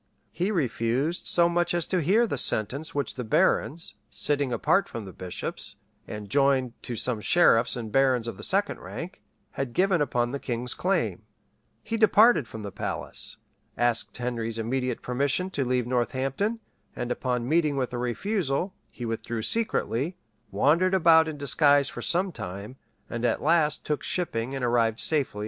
He refused so much as to hear the sentence which the barons, sitting apart from the bishops, and joined to some sheriffs and barons of the second rank,[] had given upon the king's claim; he departed from the palace; asked Henry's immediate permission to leave Northampton; and upon meeting with a refusal, he withdrew secretly, wandered about in disguise for some time, and at last took shipping and arrived safely at Gravelines.